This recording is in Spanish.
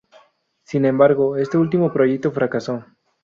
Sin embargo, este último proyecto fracasó.